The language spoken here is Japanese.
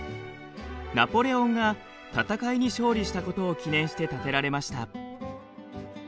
ナポレオンが戦いに勝利したことを記念して建てられました。